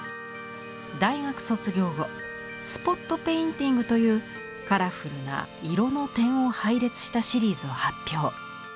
大学卒業後「スポット・ペインティング」というカラフルな色の点を配列したシリーズを発表。